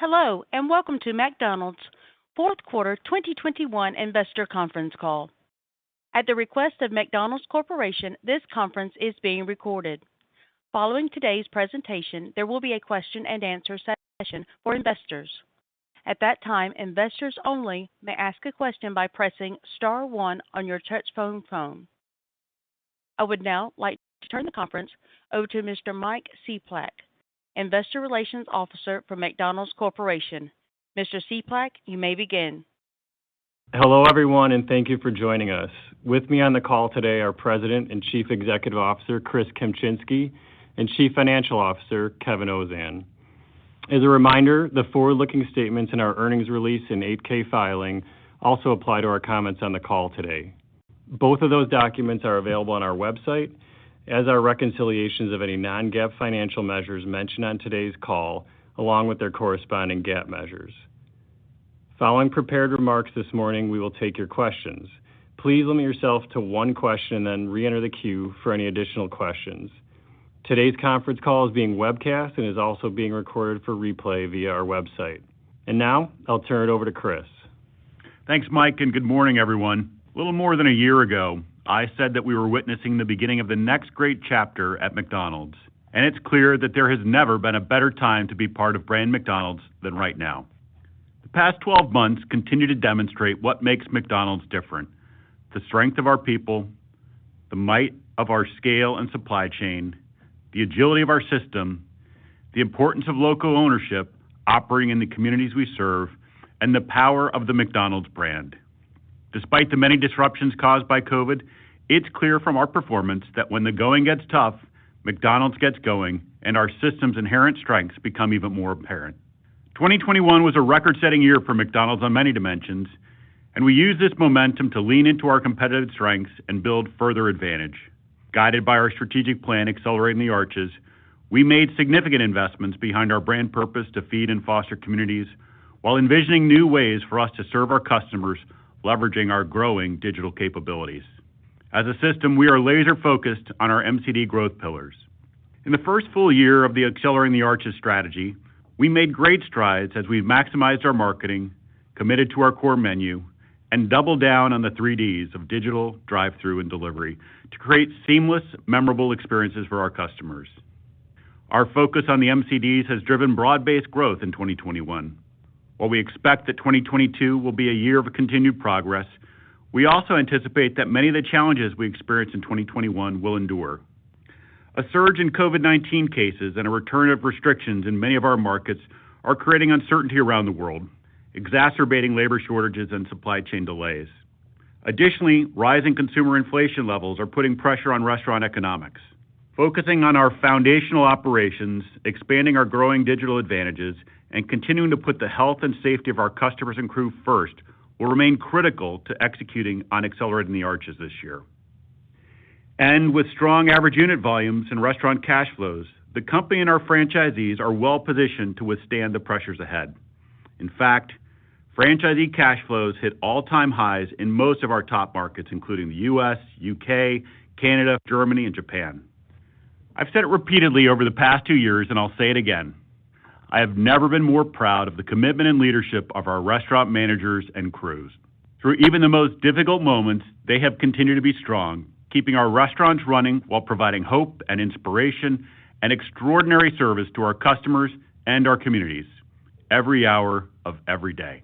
Hello, and welcome to McDonald's fourth quarter 2021 investor conference call. At the request of McDonald's Corporation, this conference is being recorded. Following today's presentation, there will be a question and answer session for investors. At that time, investors only may ask a question by pressing star one on your touch phone. I would now like to turn the conference over to Mr. Mike Cieplak, Investor Relations Officer for McDonald's Corporation. Mr. Cieplak, you may begin. Hello, everyone, and thank you for joining us. With me on the call today, our President and Chief Executive Officer, Chris Kempczinski, and Chief Financial Officer, Kevin Ozan. As a reminder, the forward-looking statements in our earnings release and 8-K filing also apply to our comments on the call today. Both of those documents are available on our website as are reconciliations of any non-GAAP financial measures mentioned on today's call, along with their corresponding GAAP measures. Following prepared remarks this morning, we will take your questions. Please limit yourself to one question, then re-enter the queue for any additional questions. Today's conference call is being webcast and is also being recorded for replay via our website. Now I'll turn it over to Chris. Thanks, Mike, and good morning, everyone. A little more than a year ago, I said that we were witnessing the beginning of the next great chapter at McDonald's, and it's clear that there has never been a better time to be part of brand McDonald's than right now. The past 12 months continue to demonstrate what makes McDonald's different. The strength of our people, the might of our scale and supply chain, the agility of our system, the importance of local ownership operating in the communities we serve, and the power of the McDonald's brand. Despite the many disruptions caused by COVID-19, it's clear from our performance that when the going gets tough, McDonald's gets going, and our system's inherent strengths become even more apparent. 2021 was a record-setting year for McDonald's on many dimensions, and we used this momentum to lean into our competitive strengths and build further advantage. Guided by our strategic plan, Accelerating the Arches, we made significant investments behind our brand purpose to feed and foster communities while envisioning new ways for us to serve our customers, leveraging our growing digital capabilities. As a system, we are laser-focused on our MCD growth pillars. In the first full year of the Accelerating the Arches strategy, we made great strides as we maximized our marketing, committed to our core menu, and doubled down on the three Ds of digital, drive through, and delivery to create seamless, memorable experiences for our customers. Our focus on the MCD has driven broad-based growth in 2021. While we expect that 2022 will be a year of continued progress, we also anticipate that many of the challenges we experienced in 2021 will endure. A surge in COVID-19 cases and a return of restrictions in many of our markets are creating uncertainty around the world, exacerbating labor shortages and supply chain delays. Additionally, rising consumer inflation levels are putting pressure on restaurant economics. Focusing on our foundational operations, expanding our growing digital advantages, and continuing to put the health and safety of our customers and crew first will remain critical to executing on Accelerating the Arches this year. With strong average unit volumes and restaurant cash flows, the company and our franchisees are well-positioned to withstand the pressures ahead. In fact, franchisee cash flows hit all-time highs in most of our top markets, including the U.S., U.K., Canada, Germany, and Japan. I've said it repeatedly over the past two years, and I'll say it again. I have never been more proud of the commitment and leadership of our restaurant managers and crews. Through even the most difficult moments, they have continued to be strong, keeping our restaurants running while providing hope and inspiration and extraordinary service to our customers and our communities every hour of every day.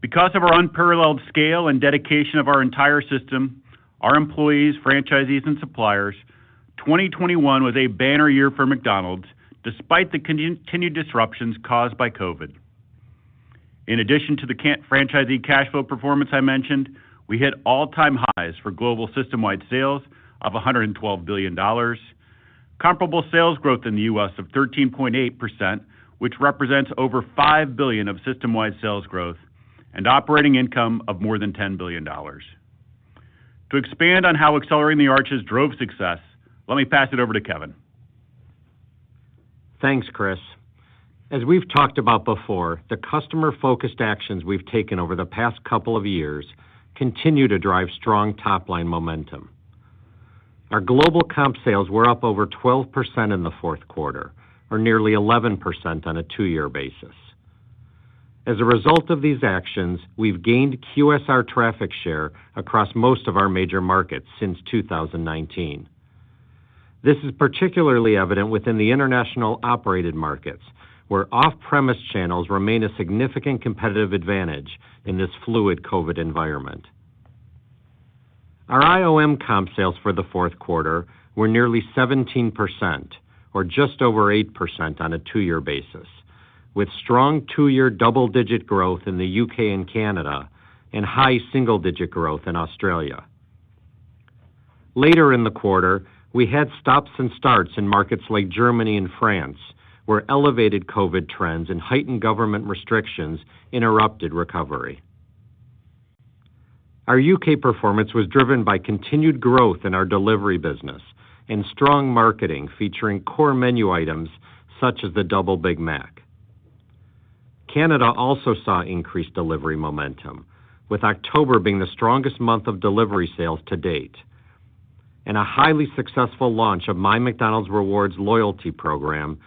Because of our unparalleled scale and dedication of our entire system, our employees, franchisees, and suppliers, 2021 was a banner year for McDonald's despite the continued disruptions caused by COVID-19. In addition to the franchisee cash flow performance I mentioned, we hit all-time highs for global system-wide sales of $112 billion, comparable sales growth in the U.S. of 13.8%, which represents over $5 billion of system-wide sales growth and operating income of more than $10 billion. To expand on how Accelerating the Arches drove success, let me pass it over to Kevin. Thanks, Chris. As we've talked about before, the customer-focused actions we've taken over the past couple of years continue to drive strong top-line momentum. Our global comp sales were up over 12% in the fourth quarter, or nearly 11% on a two-year basis. As a result of these actions, we've gained QSR traffic share across most of our major markets since 2019. This is particularly evident within the international operated markets, where off-premise channels remain a significant competitive advantage in this fluid COVID-19 environment. Our IOM comp sales for the fourth quarter were nearly 17%, or just over 8% on a two-year basis, with strong two-year double-digit growth in the U.K. and Canada and high single-digit growth in Australia. Later in the quarter, we had stops and starts in markets like Germany and France, where elevated COVID-19 trends and heightened government restrictions interrupted recovery. Our U.K. performance was driven by continued growth in our delivery business and strong marketing featuring core menu items such as the Double Big Mac. Canada also saw increased delivery momentum, with October being the strongest month of delivery sales to date. A highly successful launch of MyMcDonald's Rewards loyalty program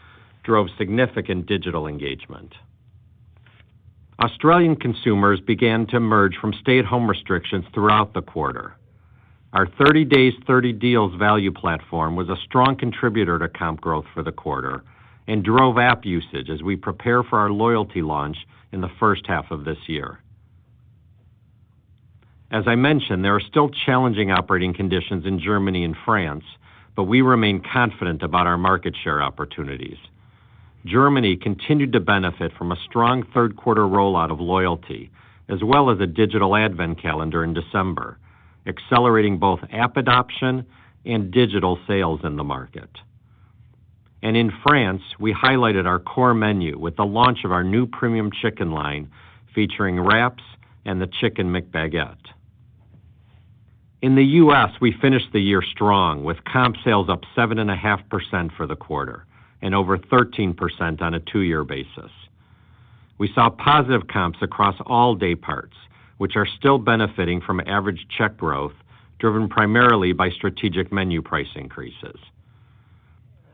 drove significant digital engagement. Australian consumers began to emerge from stay-at-home restrictions throughout the quarter. Our 30 days, 30 deals value platform was a strong contributor to comp growth for the quarter and drove app usage as we prepare for our loyalty launch in the first half of this year. As I mentioned, there are still challenging operating conditions in Germany and France, but we remain confident about our market share opportunities. Germany continued to benefit from a strong third quarter rollout of loyalty as well as a digital advent calendar in December, accelerating both app adoption and digital sales in the market. In France, we highlighted our core menu with the launch of our new premium chicken line featuring wraps and the Chicken McBaguette. In the U.S., we finished the year strong with comp sales up 7.5% for the quarter and over 13% on a two-year basis. We saw positive comps across all day parts, which are still benefiting from average check growth, driven primarily by strategic menu price increases.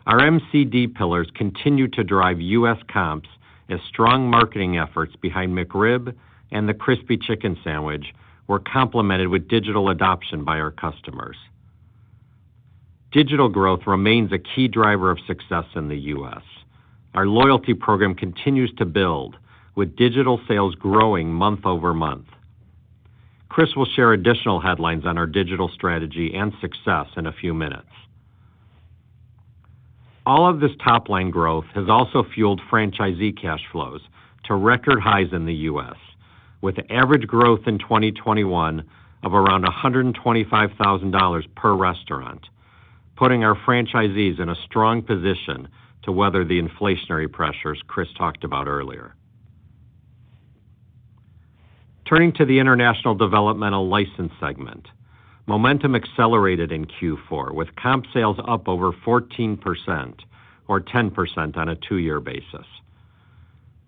Our MCD pillars continue to drive U.S. comps as strong marketing efforts behind McRib and the Crispy Chicken Sandwich were complemented with digital adoption by our customers. Digital growth remains a key driver of success in the U.S. Our loyalty program continues to build, with digital sales growing month-over-month. Chris will share additional headlines on our digital strategy and success in a few minutes. All of this top line growth has also fueled franchisee cash flows to record highs in the U.S. with average growth in 2021 of around $125,000 per restaurant, putting our franchisees in a strong position to weather the inflationary pressures Chris talked about earlier. Turning to the international developmental license segment. Momentum accelerated in Q4 with comp sales up over 14% or 10% on a two-year basis.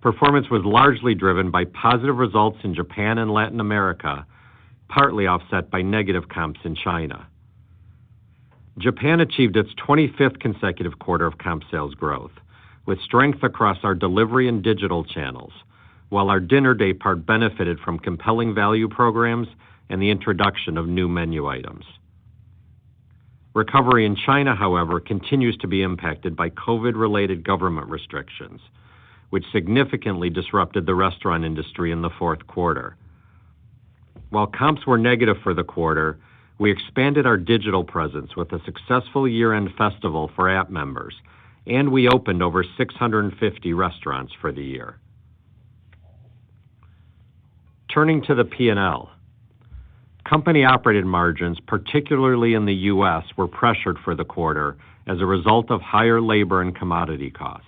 Performance was largely driven by positive results in Japan and Latin America, partly offset by negative comps in China. Japan achieved its 25th consecutive quarter of comp sales growth with strength across our delivery and digital channels, while our dinner daypart benefited from compelling value programs and the introduction of new menu items. Recovery in China, however, continues to be impacted by COVID-related government restrictions, which significantly disrupted the restaurant industry in the fourth quarter. While comps were negative for the quarter, we expanded our digital presence with a successful year-end festival for app members, and we opened over 650 restaurants for the year. Turning to the P&L. Company-operated margins, particularly in the U.S., were pressured for the quarter as a result of higher labor and commodity costs.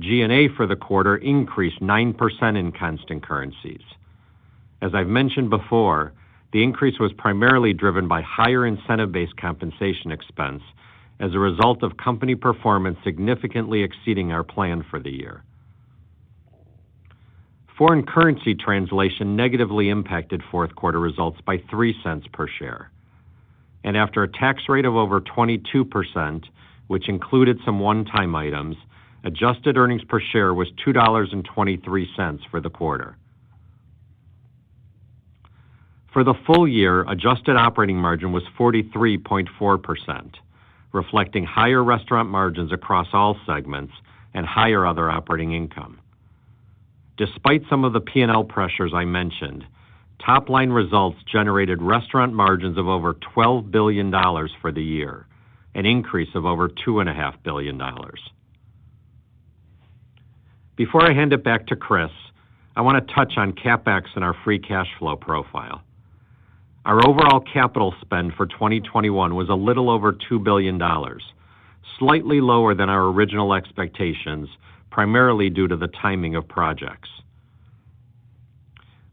G&A for the quarter increased 9% in constant currencies. As I've mentioned before, the increase was primarily driven by higher incentive-based compensation expense as a result of company performance significantly exceeding our plan for the year. Foreign currency translation negatively impacted fourth quarter results by $0.03 per share. After a tax rate of over 22%, which included some one-time items, adjusted earnings per share was $2.23 for the quarter. For the full year, adjusted operating margin was 43.4%, reflecting higher restaurant margins across all segments and higher other operating income. Despite some of the P&L pressures I mentioned, top line results generated restaurant margins of over $12 billion for the year, an increase of over $2.5 billion. Before I hand it back to Chris, I want to touch on CapEx and our free cash flow profile. Our overall capital spend for 2021 was a little over $2 billion, slightly lower than our original expectations, primarily due to the timing of projects.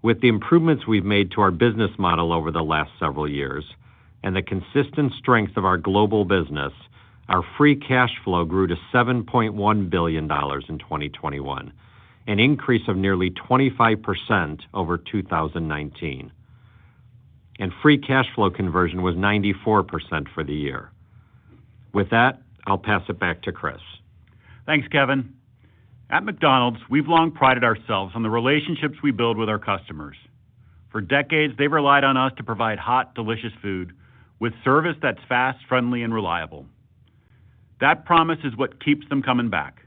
With the improvements we've made to our business model over the last several years and the consistent strength of our global business, our free cash flow grew to $7.1 billion in 2021, an increase of nearly 25% over 2019. Free cash flow conversion was 94% for the year. With that, I'll pass it back to Chris. Thanks, Kevin. At McDonald's, we've long prided ourselves on the relationships we build with our customers. For decades, they've relied on us to provide hot, delicious food with service that's fast, friendly, and reliable. That promise is what keeps them coming back,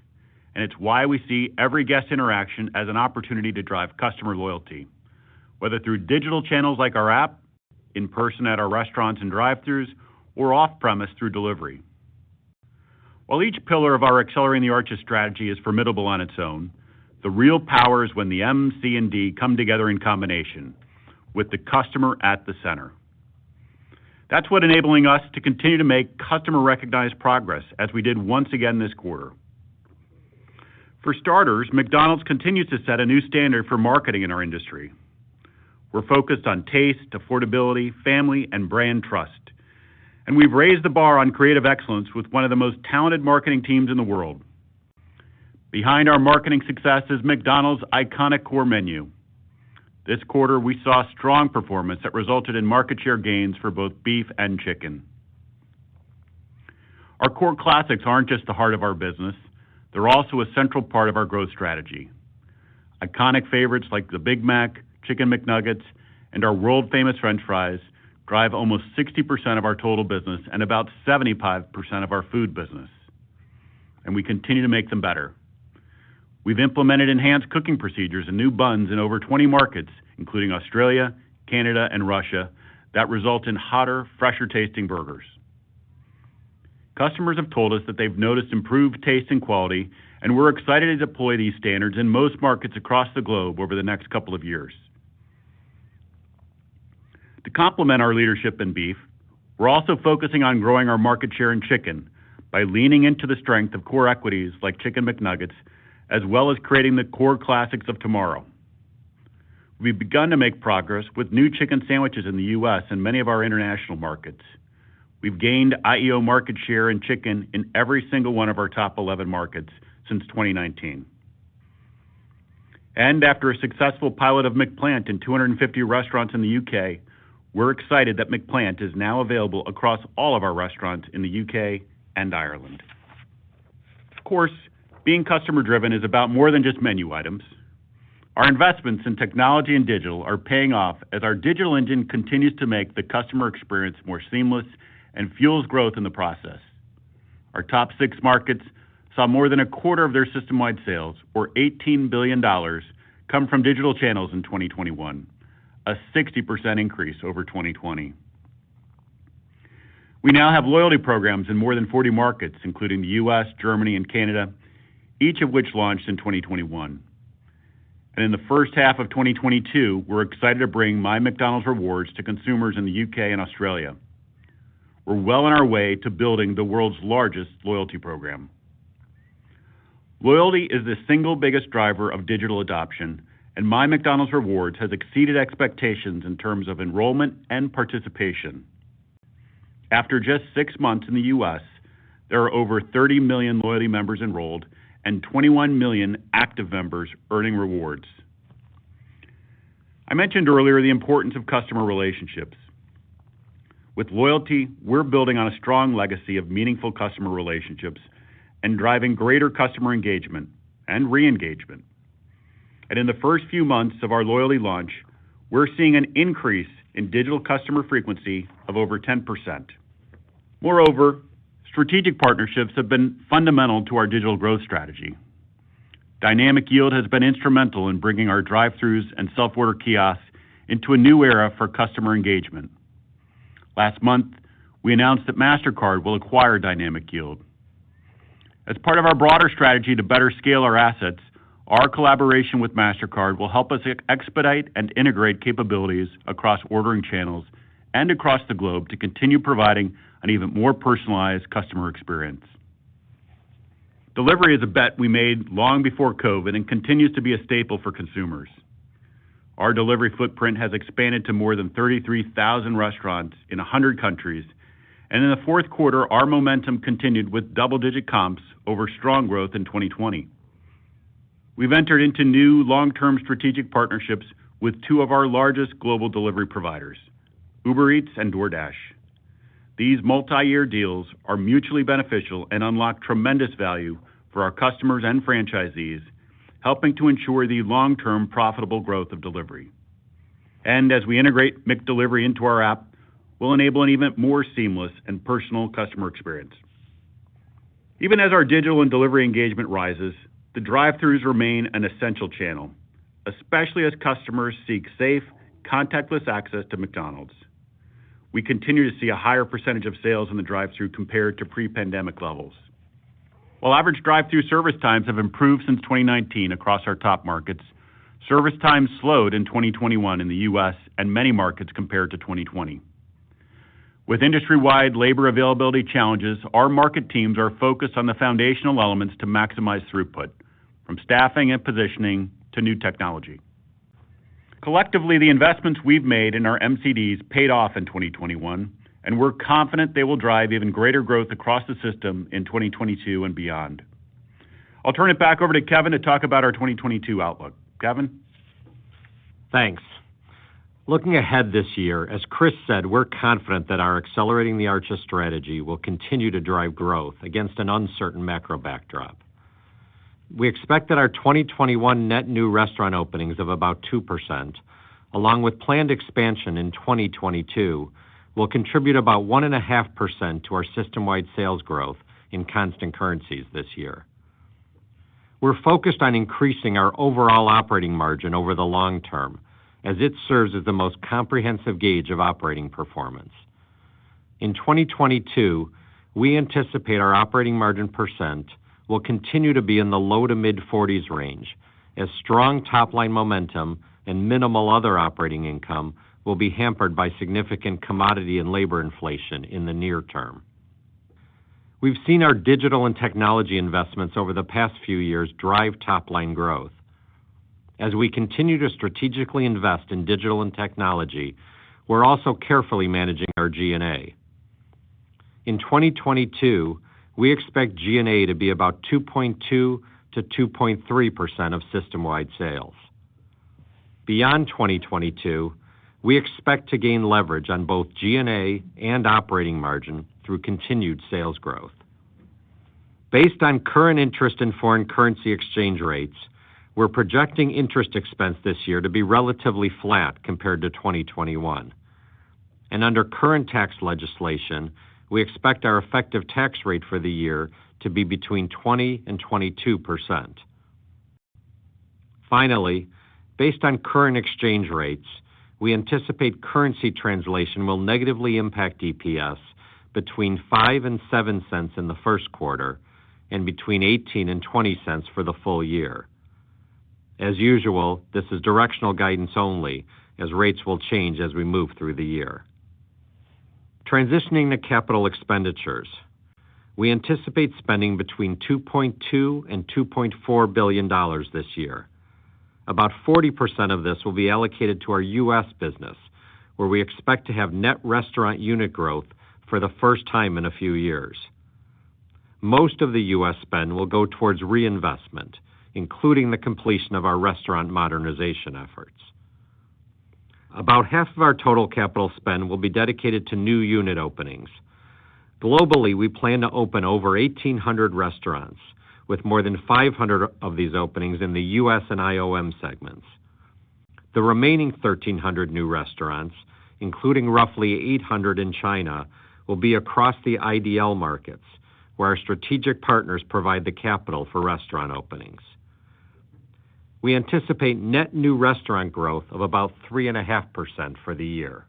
and it's why we see every guest interaction as an opportunity to drive customer loyalty, whether through digital channels like our app, in person at our restaurants and drive-throughs, or off-premise through delivery. While each pillar of our Accelerating the Arches strategy is formidable on its own, the real power is when the M, C, and D come together in combination with the customer at the center. That's what enabling us to continue to make customer recognized progress as we did once again this quarter. For starters, McDonald's continues to set a new standard for marketing in our industry. We're focused on taste, affordability, family, and brand trust. We've raised the bar on creative excellence with one of the most talented marketing teams in the world. Behind our marketing success is McDonald's iconic core menu. This quarter, we saw strong performance that resulted in market share gains for both beef and chicken. Our core classics aren't just the heart of our business, they're also a central part of our growth strategy. Iconic favorites like the Big Mac, Chicken McNuggets, and our world-famous French fries drive almost 60% of our total business and about 75% of our food business. We continue to make them better. We've implemented enhanced cooking procedures and new buns in over 20 markets, including Australia, Canada, and Russia, that result in hotter, fresher tasting burgers. Customers have told us that they've noticed improved taste and quality, and we're excited to deploy these standards in most markets across the globe over the next couple of years. To complement our leadership in beef, we're also focusing on growing our market share in chicken by leaning into the strength of core equities like Chicken McNuggets, as well as creating the core classics of tomorrow. We've begun to make progress with new chicken sandwiches in the U.S. and many of our international markets. We've gained IEO market share in chicken in every single one of our top 11 markets since 2019. After a successful pilot of McPlant in 250 restaurants in the U.K., we're excited that McPlant is now available across all of our restaurants in the U.K. and Ireland. Of course, being customer driven is about more than just menu items. Our investments in technology and digital are paying off as our digital engine continues to make the customer experience more seamless and fuels growth in the process. Our top six markets saw more than a quarter of their system-wide sales, or $18 billion, come from digital channels in 2021, a 60% increase over 2020. We now have loyalty programs in more than 40 markets, including the U.S., Germany, and Canada, each of which launched in 2021. In the first half of 2022, we're excited to bring MyMcDonald's Rewards to consumers in the U.K. and Australia. We're well on our way to building the world's largest loyalty program. Loyalty is the single biggest driver of digital adoption, and MyMcDonald's Rewards has exceeded expectations in terms of enrollment and participation. After just six months in the U.S., there are over 30 million loyalty members enrolled and 21 million active members earning rewards. I mentioned earlier the importance of customer relationships. With loyalty, we're building on a strong legacy of meaningful customer relationships and driving greater customer engagement and re-engagement. In the first few months of our loyalty launch, we're seeing an increase in digital customer frequency of over 10%. Moreover, strategic partnerships have been fundamental to our digital growth strategy. Dynamic Yield has been instrumental in bringing our drive-throughs and self-order kiosks into a new era for customer engagement. Last month, we announced that Mastercard will acquire Dynamic Yield. As part of our broader strategy to better scale our assets, our collaboration with Mastercard will help us expedite and integrate capabilities across ordering channels and across the globe to continue providing an even more personalized customer experience. Delivery is a bet we made long before COVID and continues to be a staple for consumers. Our delivery footprint has expanded to more than 33,000 restaurants in 100 countries. In the fourth quarter, our momentum continued with double-digit comps over strong growth in 2020. We've entered into new long-term strategic partnerships with two of our largest global delivery providers, Uber Eats and DoorDash. These multi-year deals are mutually beneficial and unlock tremendous value for our customers and franchisees, helping to ensure the long-term profitable growth of delivery. As we integrate McDelivery into our app, we'll enable an even more seamless and personal customer experience. Even as our digital and delivery engagement rises, the drive-throughs remain an essential channel, especially as customers seek safe, contactless access to McDonald's. We continue to see a higher percentage of sales in the drive-through compared to pre-pandemic levels. While average drive-through service times have improved since 2019 across our top markets, service times slowed in 2021 in the U.S. and many markets compared to 2020. With industry-wide labor availability challenges, our market teams are focused on the foundational elements to maximize throughput, from staffing and positioning to new technology. Collectively, the investments we've made in our MCDs paid off in 2021, and we're confident they will drive even greater growth across the system in 2022 and beyond. I'll turn it back over to Kevin to talk about our 2022 outlook. Kevin? Thanks. Looking ahead this year, as Chris said, we're confident that our Accelerating the Arches strategy will continue to drive growth against an uncertain macro backdrop. We expect that our 2021 net new restaurant openings of about 2%, along with planned expansion in 2022, will contribute about 1.5% to our system-wide sales growth in constant currencies this year. We're focused on increasing our overall operating margin over the long term as it serves as the most comprehensive gauge of operating performance. In 2022, we anticipate our operating margin % will continue to be in the low-to-mid 40s range as strong top-line momentum and minimal other operating income will be hampered by significant commodity and labor inflation in the near term. We've seen our digital and technology investments over the past few years drive top-line growth. As we continue to strategically invest in digital and technology, we're also carefully managing our G&A. In 2022, we expect G&A to be about 2.2%-2.3% of system-wide sales. Beyond 2022, we expect to gain leverage on both G&A and operating margin through continued sales growth. Based on current interest and foreign currency exchange rates, we're projecting interest expense this year to be relatively flat compared to 2021. Under current tax legislation, we expect our effective tax rate for the year to be between 20%-22%. Finally, based on current exchange rates, we anticipate currency translation will negatively impact EPS between $0.05 and $0.07 in the first quarter and between $0.18 and $0.20 for the full year. As usual, this is directional guidance only as rates will change as we move through the year. Transitioning to capital expenditures. We anticipate spending between $2.2 billion and $2.4 billion this year. About 40% of this will be allocated to our U.S. business, where we expect to have net restaurant unit growth for the first time in a few years. Most of the U.S. spend will go towards reinvestment, including the completion of our restaurant modernization efforts. About half of our total capital spend will be dedicated to new unit openings. Globally, we plan to open over 1,800 restaurants, with more than 500 of these openings in the U.S. and IOM segments. The remaining 1,300 new restaurants, including roughly 800 in China, will be across the IDL markets, where our strategic partners provide the capital for restaurant openings. We anticipate net new restaurant growth of about 3.5% for the year.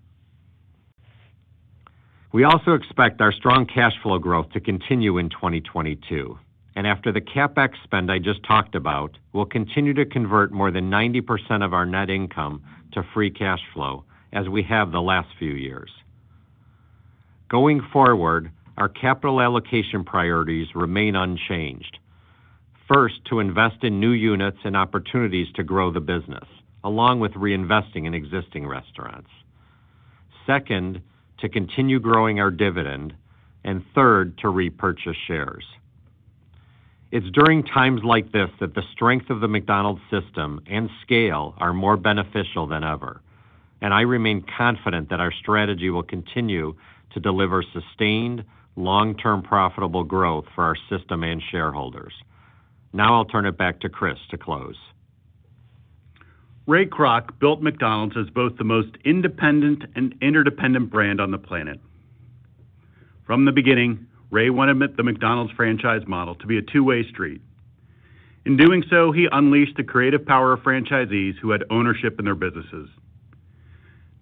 We also expect our strong cash flow growth to continue in 2022. After the CapEx spend I just talked about, we'll continue to convert more than 90% of our net income to free cash flow as we have the last few years. Going forward, our capital allocation priorities remain unchanged. First, to invest in new units and opportunities to grow the business, along with reinvesting in existing restaurants. Second, to continue growing our dividend. Third, to repurchase shares. It's during times like this that the strength of the McDonald's system and scale are more beneficial than ever, and I remain confident that our strategy will continue to deliver sustained long-term profitable growth for our system and shareholders. Now I'll turn it back to Chris to close. Ray Kroc built McDonald's as both the most independent and interdependent brand on the planet. From the beginning, Ray wanted the McDonald's franchise model to be a two-way street. In doing so, he unleashed the creative power of franchisees who had ownership in their businesses.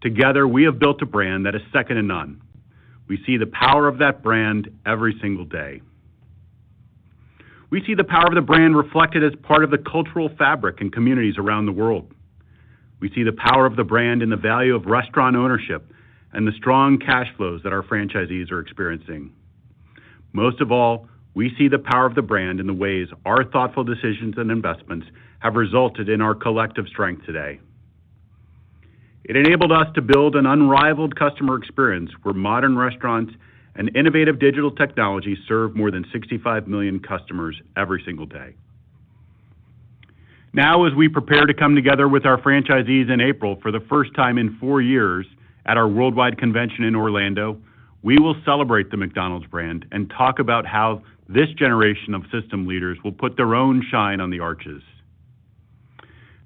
Together, we have built a brand that is second to none. We see the power of that brand every single day. We see the power of the brand reflected as part of the cultural fabric in communities around the world. We see the power of the brand in the value of restaurant ownership and the strong cash flows that our franchisees are experiencing. Most of all, we see the power of the brand in the ways our thoughtful decisions and investments have resulted in our collective strength today. It enabled us to build an unrivaled customer experience where modern restaurants and innovative digital technologies serve more than 65 million customers every single day. Now, as we prepare to come together with our franchisees in April for the first time in four years at our worldwide convention in Orlando, we will celebrate the McDonald's brand and talk about how this generation of system leaders will put their own shine on the arches.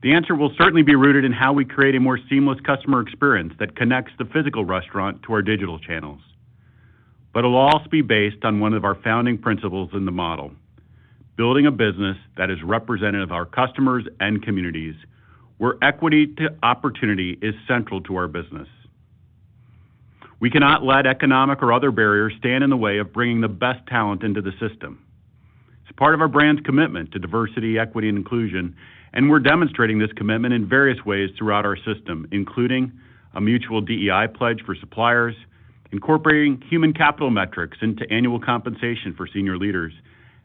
The answer will certainly be rooted in how we create a more seamless customer experience that connects the physical restaurant to our digital channels. It'll also be based on one of our founding principles in the model, building a business that is representative of our customers and communities where equity to opportunity is central to our business. We cannot let economic or other barriers stand in the way of bringing the best talent into the system. It's part of our brand's commitment to diversity, equity, and inclusion, and we're demonstrating this commitment in various ways throughout our system, including a mutual DEI pledge for suppliers, incorporating human capital metrics into annual compensation for senior leaders,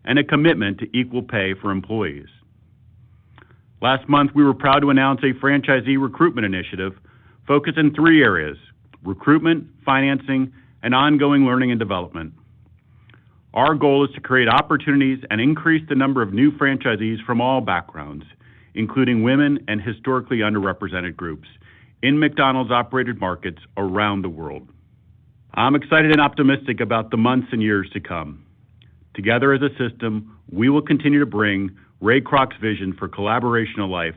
and a commitment to equal pay for employees. Last month, we were proud to announce a franchisee recruitment initiative focused in three areas, recruitment, financing, and ongoing learning and development. Our goal is to create opportunities and increase the number of new franchisees from all backgrounds, including women and historically underrepresented groups in McDonald's operated markets around the world. I'm excited and optimistic about the months and years to come. Together as a system, we will continue to bring Ray Kroc's vision of collaboration alive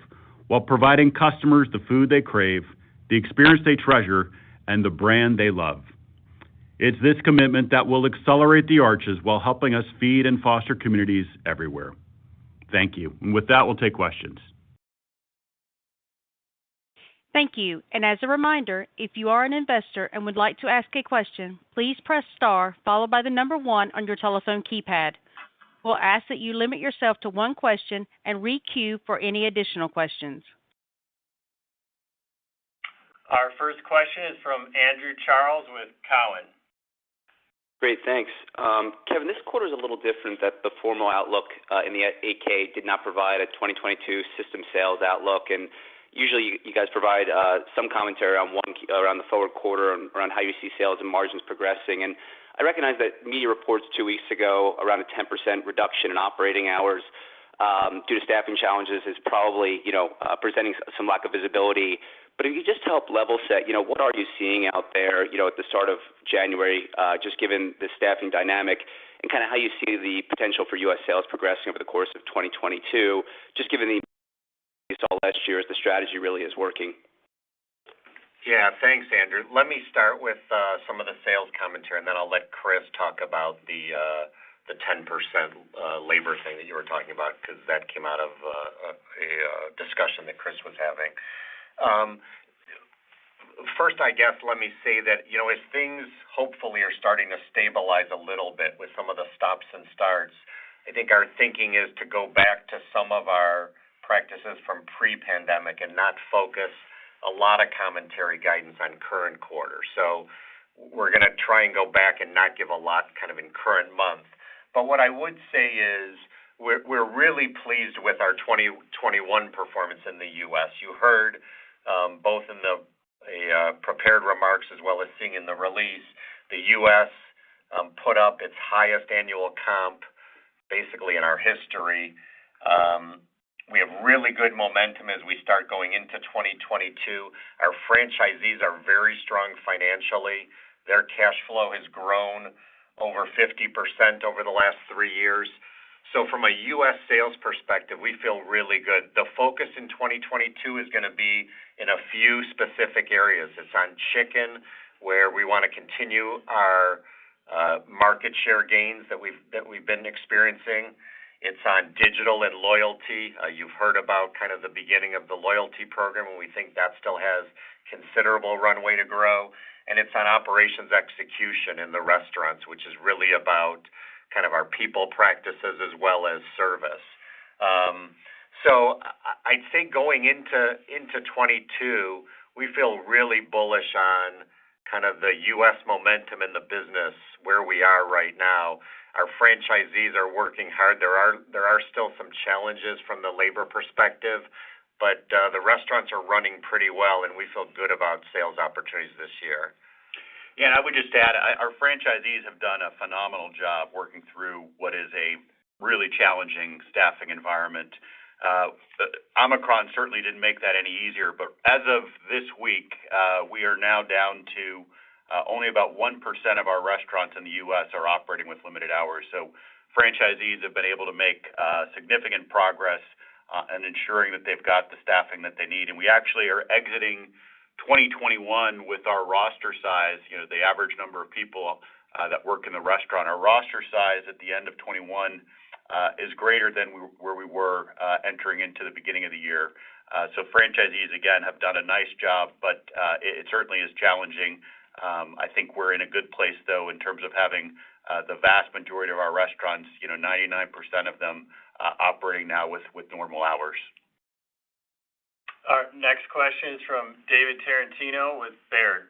while providing customers the food they crave, the experience they treasure, and the brand they love. It's this commitment that will accelerate the Arches while helping us feed and foster communities everywhere. Thank you. With that, we'll take questions. Thank you. As a reminder, if you are an investor and would like to ask a question, please press star followed by the number one on your telephone keypad. We'll ask that you limit yourself to one question and re-queue for any additional questions. Our first question is from Andrew Charles with Cowen. Great, thanks. Kevin, this quarter is a little different than the formal outlook, in the 8-K did not provide a 2022 system sales outlook. Usually you guys provide some commentary around the forward quarter around how you see sales and margins progressing. I recognize that media reports two weeks ago, around a 10% reduction in operating hours, due to staffing challenges is probably, you know, presenting some lack of visibility. If you just help level set, you know, what are you seeing out there, you know, at the start of January, just given the staffing dynamic and kind of how you see the potential for U.S. sales progressing over the course of 2022, just given what you saw last year as the strategy really is working. Yeah. Thanks, Andrew. Let me start with some of the sales commentary, and then I'll let Chris talk about the 10% labor thing that you were talking about because that came out of a discussion that Chris was having. First, I guess, let me say that, you know, as things hopefully are starting to stabilize a little bit with some of the stops and starts, I think our thinking is to go back to some of our practices from pre-pandemic and not focus a lot of commentary guidance on current quarter. We're going to try and go back and not give a lot kind of in current month. What I would say is we're really pleased with our 2021 performance in the U.S. You heard both in the prepared remarks as well as seeing in the release, the U.S. put up its highest annual comp basically in our history. We have really good momentum as we start going into 2022. Our franchisees are very strong financially. Their cash flow has grown over 50% over the last three years. From a U.S. sales perspective, we feel really good. The focus in 2022 is gonna be in a few specific areas. It's on chicken, where we want to continue our market share gains that we've been experiencing. It's on digital and loyalty. You've heard about kind of the beginning of the loyalty program, and we think that still has considerable runway to grow. It's on operations execution in the restaurants, which is really about kind of our people practices as well as service. I'd say going into 2022, we feel really bullish on kind of the U.S. momentum in the business where we are right now. Our franchisees are working hard. There are still some challenges from the labor perspective, but the restaurants are running pretty well, and we feel good about sales opportunities this year. I would just add, our franchisees have done a phenomenal job working through what is a really challenging staffing environment. Omicron certainly didn't make that any easier, but as of this week, we are now down to only about 1% of our restaurants in the U.S. are operating with limited hours. Franchisees have been able to make significant progress in ensuring that they've got the staffing that they need. We actually are exiting 2021 with our roster size, you know, the average number of people that work in the restaurant. Our roster size at the end of 2021 is greater than where we were entering into the beginning of the year. Franchisees, again, have done a nice job, but it certainly is challenging. I think we're in a good place, though, in terms of having the vast majority of our restaurants, you know, 99% of them operating now with normal hours. Our next question is from David Tarantino with Baird.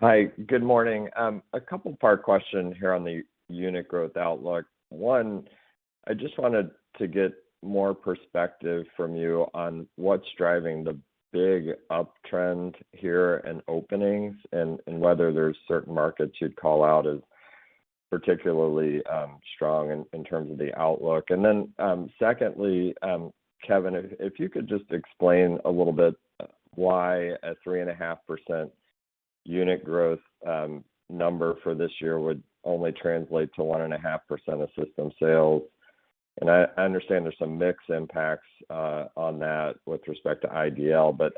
Hi, good morning. A couple-part question here on the unit growth outlook. One, I just wanted to get more perspective from you on what's driving the big uptrend here in openings and whether there's certain markets you'd call out as particularly strong in terms of the outlook. Secondly, Kevin, if you could just explain a little bit why a 3.5% unit growth number for this year would only translate to 1.5% of system sales. I understand there's some mix impacts on that with respect to IDL, but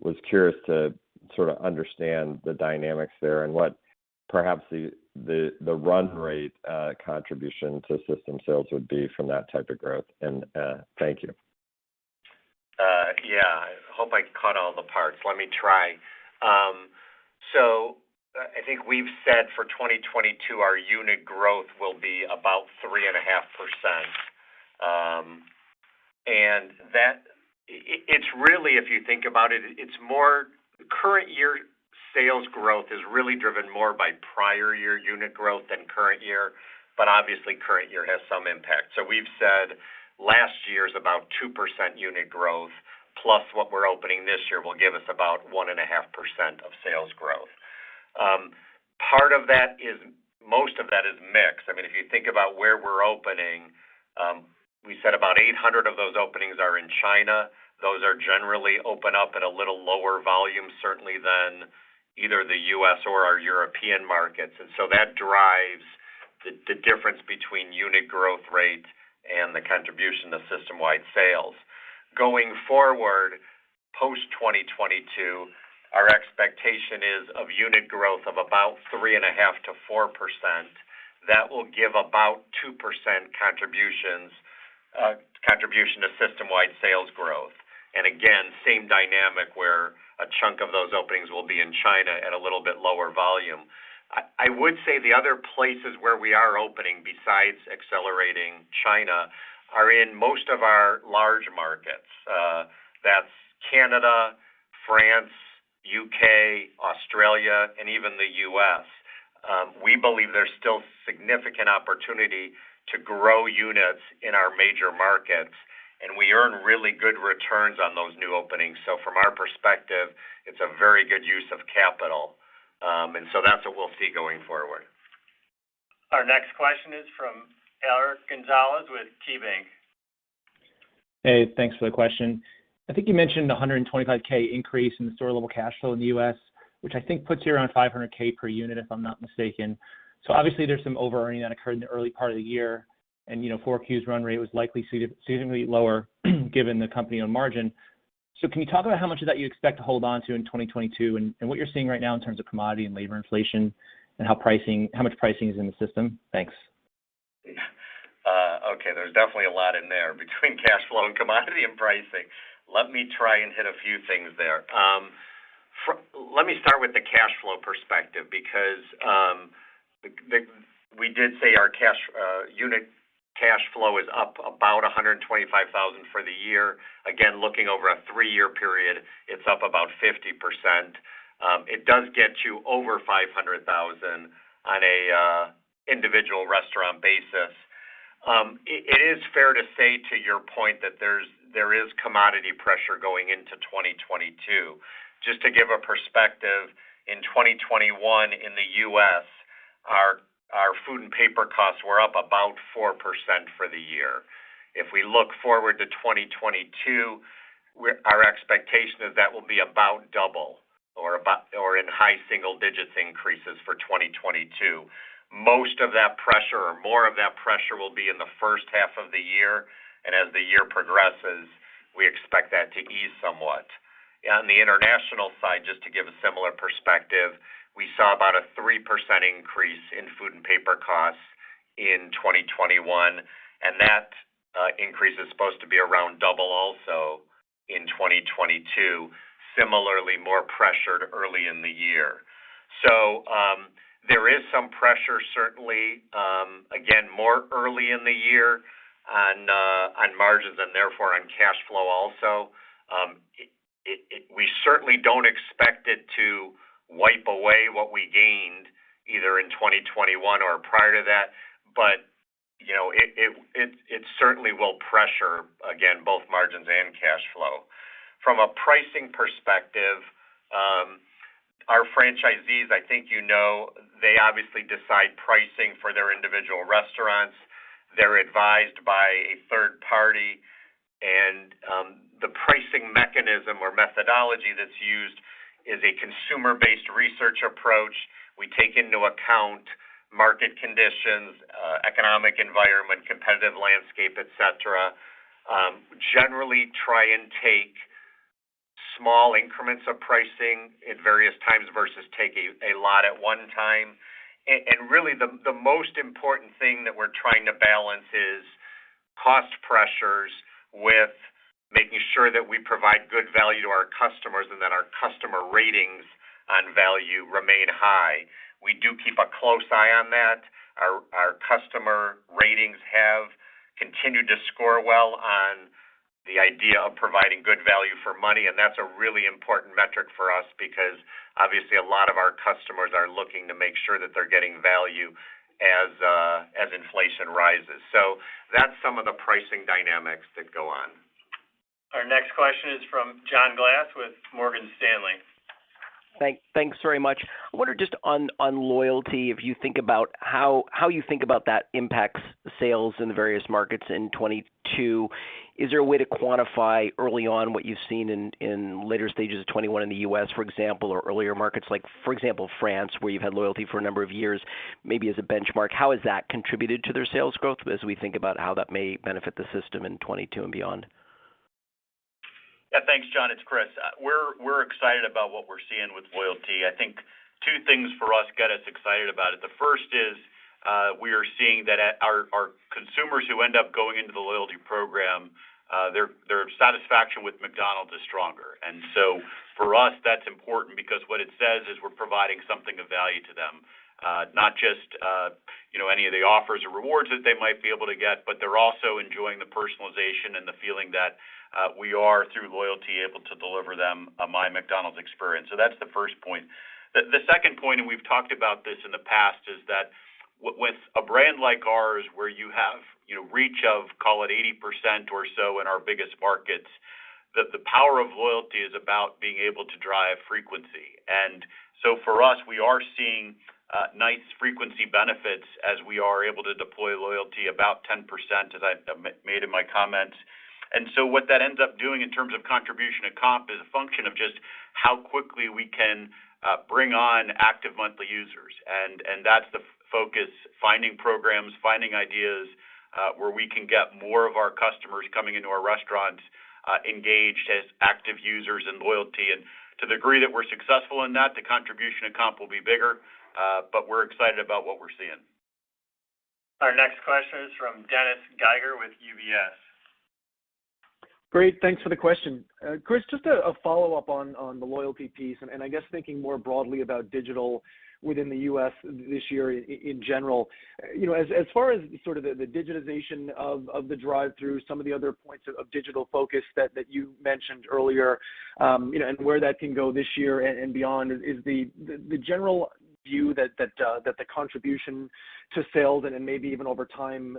was curious to sort of understand the dynamics there and what perhaps the run rate contribution to system sales would be from that type of growth. Thank you. Yeah. I hope I caught all the parts. Let me try. I think we've said for 2022, our unit growth will be about 3.5%. It's really, if you think about it's more current year sales growth is really driven more by prior year unit growth than current year, but obviously current year has some impact. We've said last year is about 2% unit growth plus what we're opening this year will give us about 1.5% of sales growth. Most of that is mix. I mean, if you think about where we're opening, we said about 800 of those openings are in China. Those are generally open up at a little lower volume, certainly than either the U.S. or our European markets. That drives the difference between unit growth rates and the contribution to system-wide sales. Going forward, post-2022, our expectation is of unit growth of about 3.5%-4%. That will give about 2% contribution to system-wide sales growth. Again, same dynamic where a chunk of those openings will be in China at a little bit lower volume. I would say the other places where we are opening besides accelerating China are in most of our large markets. That's Canada, France, and even the U.S. We believe there's still significant opportunity to grow units in our major markets, and we earn really good returns on those new openings. From our perspective, it's a very good use of capital. That's what we'll see going forward. Our next question is from Eric Gonzalez with KeyBanc. Hey, thanks for the question. I think you mentioned the $125K increase in the store level cash flow in the U.S., which I think puts you around $500K per unit, if I'm not mistaken. Obviously, there's some overearning that occurred in the early part of the year. You know, 4Q's run rate was likely seasonally lower given the company-operated margin. Can you talk about how much of that you expect to hold on to in 2022 and what you're seeing right now in terms of commodity and labor inflation and how much pricing is in the system? Thanks. Yeah. Okay, there's definitely a lot in there between cash flow and commodity and pricing. Let me try and hit a few things there. Let me start with the cash flow perspective because we did say our cash unit cash flow is up about $125,000 for the year. Again, looking over a three-year period, it's up about 50%. It does get you over $500,000 on a individual restaurant basis. It is fair to say, to your point, that there is commodity pressure going into 2022. Just to give a perspective, in 2021 in the U.S., our food and paper costs were up about 4% for the year. If we look forward to 2022, our expectation is that will be about double or in high single digits increases for 2022. Most of that pressure or more of that pressure will be in the first half of the year. As the year progresses, we expect that to ease somewhat. On the international side, just to give a similar perspective, we saw about a 3% increase in food and paper costs in 2021, and that increase is supposed to be around double also in 2022. Similarly, more pressured early in the year. There is some pressure certainly, again, more early in the year on margins and therefore on cash flow also. We certainly don't expect it to wipe away what we gained either in 2021 or prior to that. You know, it certainly will pressure, again, both margins and cash flow. From a pricing perspective, our franchisees, I think you know, they obviously decide pricing for their individual restaurants. They're advised by a third party. The pricing mechanism or methodology that's used is a consumer-based research approach. We take into account market conditions, economic environment, competitive landscape, et cetera. Generally try and take small increments of pricing at various times versus taking a lot at one time. Really the most important thing that we're trying to balance is cost pressures with making sure that we provide good value to our customers and that our customer ratings on value remain high. We do keep a close eye on that. Our customer ratings have continued to score well on the idea of providing good value for money, and that's a really important metric for us because obviously a lot of our customers are looking to make sure that they're getting value as inflation rises. That's some of the pricing dynamics that go on. Our next question is from John Glass with Morgan Stanley. Thanks very much. I wonder just on loyalty, if you think about how you think about that impacts sales in the various markets in 2022. Is there a way to quantify early on what you've seen in later stages of 2021 in the U.S., for example, or earlier markets like, for example, France, where you've had loyalty for a number of years, maybe as a benchmark? How has that contributed to their sales growth as we think about how that may benefit the system in 2022 and beyond? Yeah, thanks, John. It's Chris. We're excited about what we're seeing with loyalty. I think two things for us get us excited about it. The first is, we are seeing that at our consumers who end up going into the loyalty program, their satisfaction with McDonald's is stronger. For us, that's important because what it says is we're providing something of value to them, not just, you know, any of the offers or rewards that they might be able to get, but they're also enjoying the personalization and the feeling that, we are, through loyalty, able to deliver them a My McDonald's experience. So that's the first point. The second point, and we've talked about this in the past, is that with a brand like ours where you have, you know, reach of, call it 80% or so in our biggest markets, that the power of loyalty is about being able to drive frequency. For us, we are seeing nice frequency benefits as we are able to deploy loyalty about 10%, as I made in my comments. What that ends up doing in terms of contribution to comp is a function of just how quickly we can bring on active monthly users. That's the focus, finding programs, finding ideas where we can get more of our customers coming into our restaurants engaged as active users in loyalty. To the degree that we're successful in that, the contribution to comp will be bigger, but we're excited about what we're seeing. Our next question is from Dennis Geiger with UBS. Great. Thanks for the question. Chris, just a follow-up on the loyalty piece, and I guess thinking more broadly about digital within the U.S. this year in general. You know, as far as sort of the digitization of the drive-thru, some of the other points of digital focus that you mentioned earlier, you know, and where that can go this year and beyond, is the general view that the contribution to sales and then maybe even over time,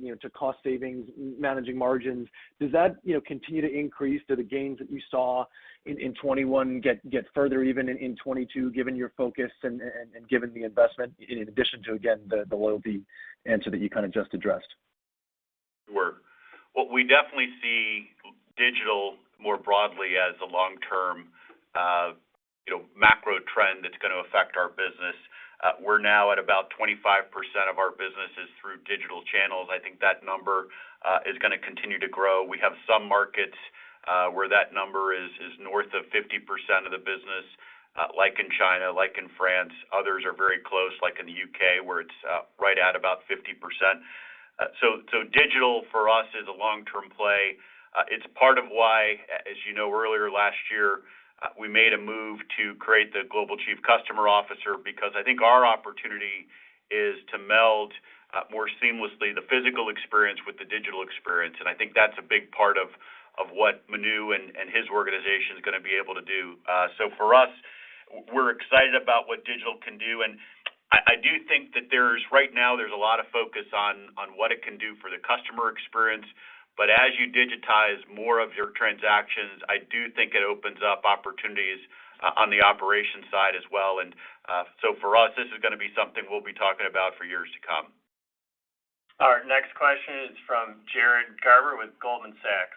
you know, to cost savings, managing margins, does that continue to increase? Do the gains that you saw in 2021 get further even in 2022 given your focus and given the investment in addition to, again, the loyalty answer that you kind of just addressed? Sure. What we definitely see digital more broadly as a long-term, you know, macro trend that's gonna affect our business. We're now at about 25% of our business is through digital channels. I think that number is gonna continue to grow. We have some markets where that number is north of 50% of the business, like in China, like in France, others are very close, like in the U.K., where it's right at about 50%. So digital for us is a long-term play. It's part of why, as you know, earlier last year, we made a move to create the Global Chief Customer Officer because I think our opportunity is to meld more seamlessly the physical experience with the digital experience. I think that's a big part of what Manu and his organization is gonna be able to do. For us, we're excited about what digital can do. I do think that right now there's a lot of focus on what it can do for the customer experience. As you digitize more of your transactions, I do think it opens up opportunities on the operations side as well. For us, this is gonna be something we'll be talking about for years to come. Our next question is from Jared Garber with Goldman Sachs.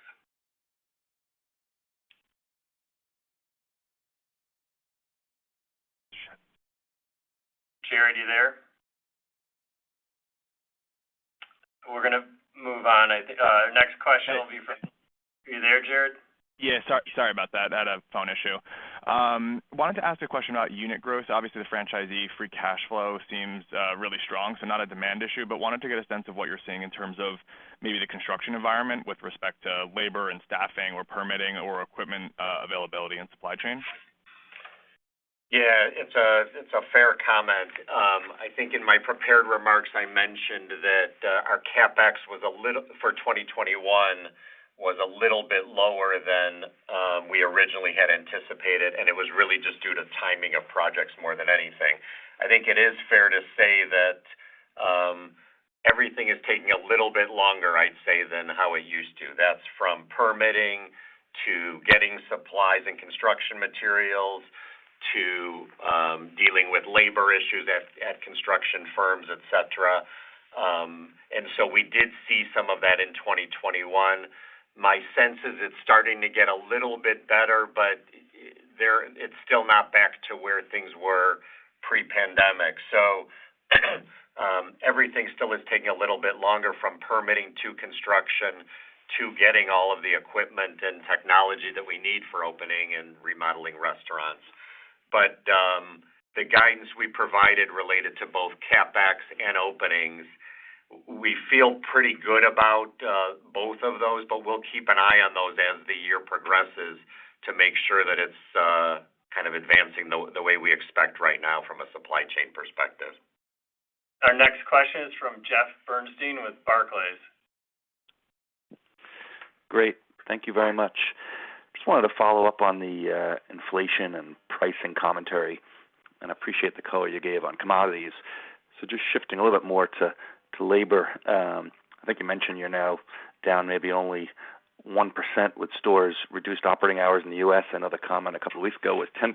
Jared, are you there? We're gonna move on. I think next question will be from. Are you there, Jared? Sorry about that. I had a phone issue. I wanted to ask a question about unit growth. Obviously, the franchisee free cash flow seems really strong, so not a demand issue, but wanted to get a sense of what you're seeing in terms of maybe the construction environment with respect to labor and staffing or permitting or equipment availability, and supply chain. Yeah. It's a fair comment. I think in my prepared remarks, I mentioned that our CapEx for 2021 was a little bit lower than we originally had anticipated, and it was really just due to timing of projects more than anything. I think it is fair to say that everything is taking a little bit longer, I'd say, than how it used to. That's from permitting to getting supplies and construction materials to dealing with labor issues at construction firms, et cetera. We did see some of that in 2021. My sense is it's starting to get a little bit better, but it's still not back to where things were pre-pandemic. Everything still is taking a little bit longer, from permitting to construction to getting all of the equipment and technology that we need for opening and remodeling restaurants. The guidance we provided related to both CapEx and openings, we feel pretty good about both of those, but we'll keep an eye on those as the year progresses to make sure that it's kind of advancing the way we expect right now from a supply chain perspective. Our next question is from Jeffrey Bernstein with Barclays. Great. Thank you very much. Just wanted to follow up on the inflation and pricing commentary, and appreciate the color you gave on commodities. Just shifting a little bit more to labor. I think you mentioned you're now down maybe only 1% with stores reduced operating hours in the U.S. Another comment a couple of weeks ago was 10%.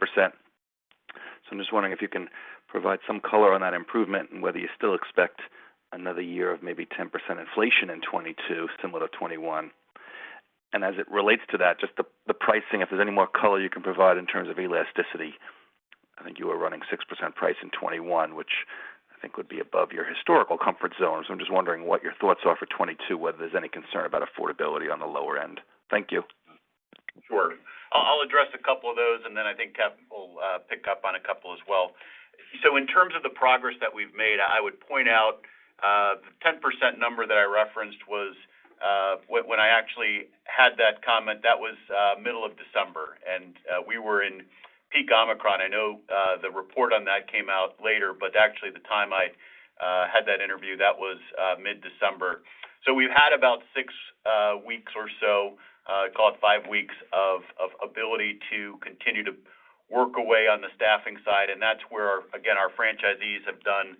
I'm just wondering if you can provide some color on that improvement and whether you still expect another year of maybe 10% inflation in 2022 similar to 2021. As it relates to that, just the pricing, if there's any more color you can provide in terms of elasticity. I think you were running 6% price in 2021, which I think would be above your historical comfort zone. I'm just wondering what your thoughts are for 2022, whether there's any concern about affordability on the lower end. Thank you. Sure. I'll address a couple of those, and then I think Kat will pick up on a couple as well. In terms of the progress that we've made, I would point out the 10% number that I referenced was when I actually had that comment, that was middle of December, and we were in peak Omicron. I know the report on that came out later, but actually the time I had that interview, that was mid-December. We've had about six weeks or so, call it five weeks of ability to continue to work away on the staffing side, and that's where, again, our franchisees have done,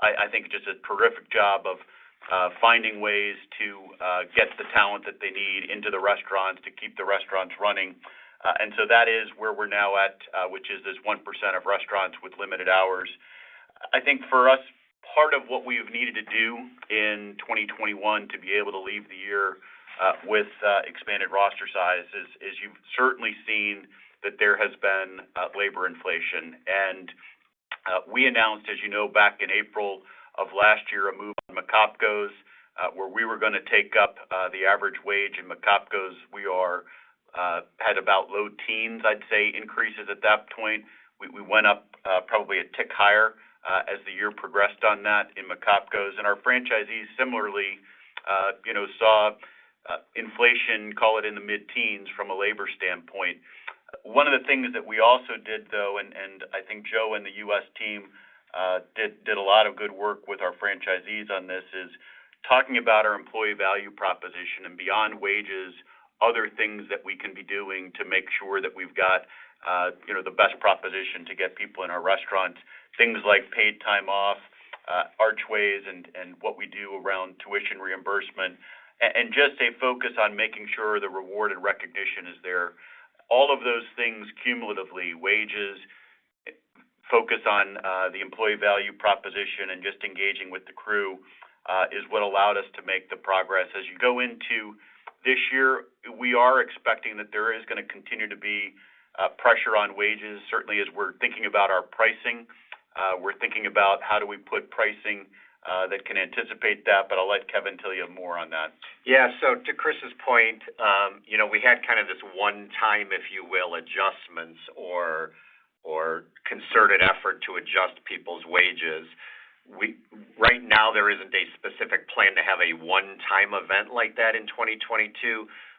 I think, just a terrific job of finding ways to get the talent that they need into the restaurants to keep the restaurants running. that is where we're now at, which is this 1% of restaurants with limited hours. I think for us, part of what we have needed to do in 2021 to be able to leave the year with expanded roster size is you've certainly seen that there has been labor inflation. we announced, as you know, back in April of last year, a move on McOpCos, where we were gonna take up the average wage in McOpCos. We are Had about low teens, I'd say, increases at that point. We went up probably a tick higher as the year progressed on that in McOpCos. Our franchisees similarly you know saw inflation, call it in the mid-teens from a labor standpoint. One of the things that we also did though, and I think Joe and the U.S. team did a lot of good work with our franchisees on this, is talking about our employee value proposition and beyond wages, other things that we can be doing to make sure that we've got you know the best proposition to get people in our restaurants. Things like paid time off, Archways and what we do around tuition reimbursement. Just a focus on making sure the reward and recognition is there. All of those things cumulatively, wages, focus on, the employee value proposition, and just engaging with the crew, is what allowed us to make the progress. As you go into this year, we are expecting that there is gonna continue to be, pressure on wages. Certainly as we're thinking about our pricing, we're thinking about how do we put pricing, that can anticipate that, but I'll let Kevin tell you more on that. To Chris's point, we had kind of this one time, if you will, adjustments or concerted effort to adjust people's wages. Right now, there isn't a specific plan to have a one-time event like that in 2022,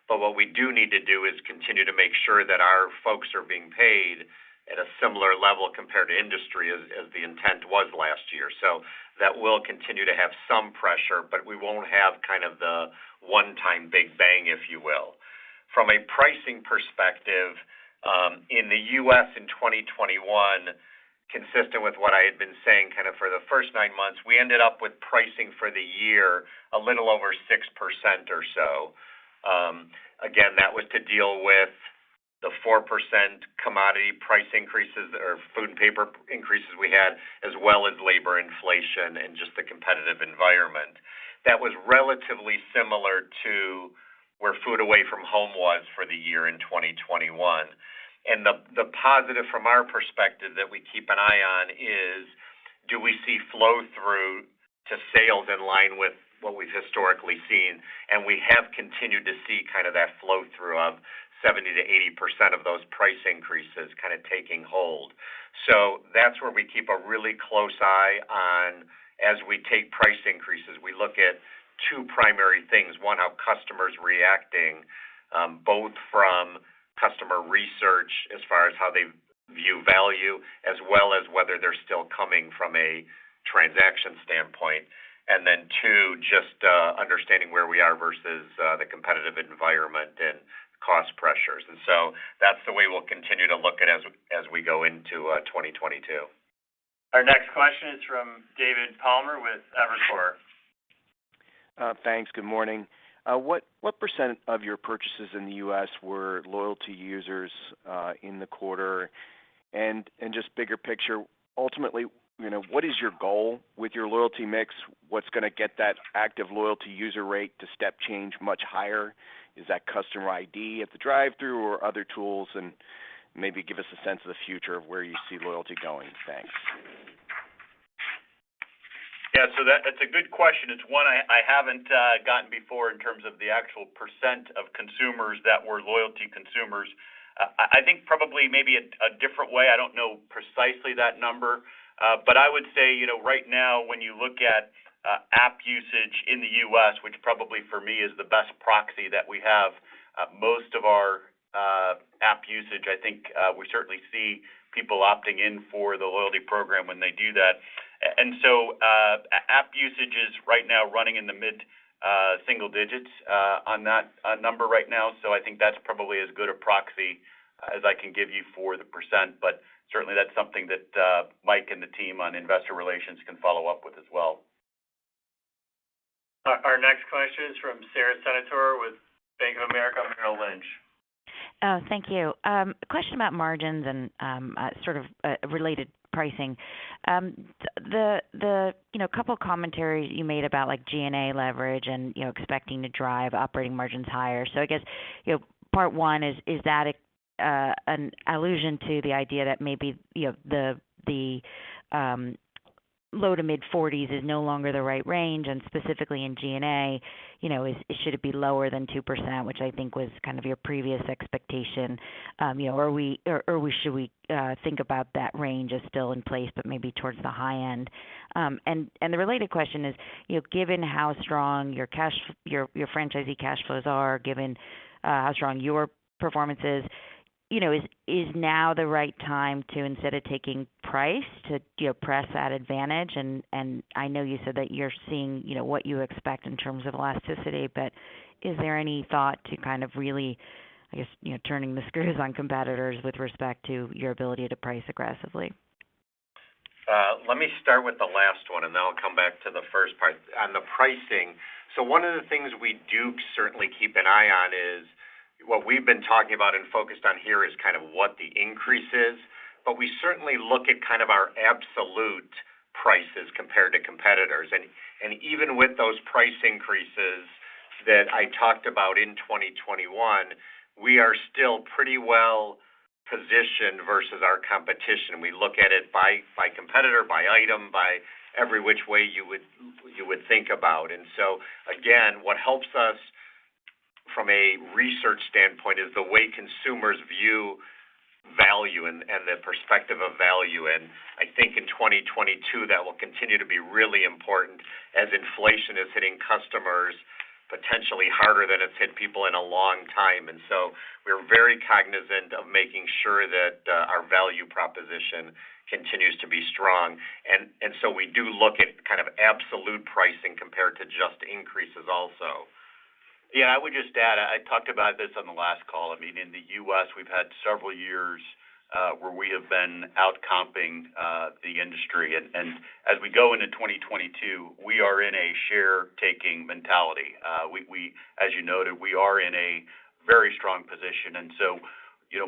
but what we do need to do is continue to make sure that our folks are being paid at a similar level compared to industry as the intent was last year. That will continue to have some pressure, but we won't have kind of the one time big bang, if you will. From a pricing perspective, in the U.S. in 2021, consistent with what I had been saying kind of for the first nine months, we ended up with pricing for the year a little over 6% or so. Again, that was to deal with the 4% commodity price increases or food and paper increases we had, as well as labor inflation and just the competitive environment. That was relatively similar to where food away from home was for the year in 2021. The positive from our perspective that we keep an eye on is, do we see flow through to sales in line with what we've historically seen? We have continued to see kind of that flow through of 70%-80% of those price increases kind of taking hold. That's where we keep a really close eye on as we take price increases. We look at two primary things. One, how customers reacting, both from customer research as far as how they view value, as well as whether they're still coming from a transaction standpoint. Then two, just understanding where we are versus the competitive environment and cost pressures. That's the way we'll continue to look at as we go into 2022. Our next question is from David Palmer with Evercore. Thanks. Good morning. What % of your purchases in the U.S. were loyalty users in the quarter? Just bigger picture, ultimately, you know, what is your goal with your loyalty mix? What's gonna get that active loyalty user rate to step change much higher? Is that customer ID at the drive-thru or other tools? Maybe give us a sense of the future of where you see loyalty going. Thanks. Yeah. That's a good question. It's one I haven't gotten before in terms of the actual percent of consumers that were loyalty consumers. I think probably maybe a different way, I don't know precisely that number. I would say, you know, right now, when you look at app usage in the U.S., which probably for me is the best proxy that we have, most of our app usage, I think, we certainly see people opting in for the loyalty program when they do that. App usage is right now running in the mid single digits on that number right now. I think that's probably as good a proxy as I can give you for the percent. Certainly that's something that, Mike and the team on investor relations can follow up with as well. Our next question is from Sara Senatore with Bank of America Merrill Lynch. Thank you. A question about margins and sort of related pricing. The you know couple of commentaries you made about like G&A leverage and you know expecting to drive operating margins higher. I guess you know part one is that a an allusion to the idea that maybe you know the low- to mid-40s% is no longer the right range, and specifically in G&A you know should it be lower than 2%, which I think was kind of your previous expectation? You know or should we think about that range as still in place, but maybe towards the high end? The related question is, you know, given how strong your franchisee cash flows are, given how strong your performance is, you know, is now the right time, instead of taking price, to press that advantage? I know you said that you're seeing, you know, what you expect in terms of elasticity, but is there any thought to kind of really, I guess, you know, turning the screws on competitors with respect to your ability to price aggressively? Let me start with the last one, and then I'll come back to the first part. On the pricing, one of the things we do certainly keep an eye on is what we've been talking about and focused on here is kind of what the increase is. We certainly look at kind of our absolute prices compared to competitors. Even with those price increases that I talked about in 2021, we are still pretty well positioned versus our competition. We look at it by competitor, by item, by every which way you would think about. Again, what helps us from a research standpoint is the way consumers view value and the perspective of value. I think in 2022, that will continue to be really important as inflation is hitting customers potentially harder than it's hit people in a long time. We're very cognizant of making sure that our value proposition continues to be strong. We do look at kind of absolute pricing compared to just increases also. Yeah, I would just add, I talked about this on the last call. I mean, in the U.S., we've had several years where we have been outpacing the industry. As we go into 2022, we are in a share taking mentality. As you noted, we are in a very strong position.